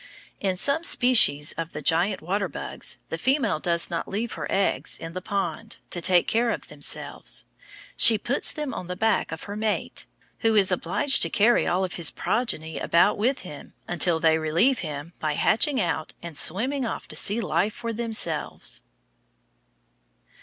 In some species of the giant water bugs the female does not leave her eggs in the pond to take care of themselves; she puts them on the back of her mate, who is obliged to carry all of his progeny about with him until they relieve him by hatching out and swimming off to see life for themselves.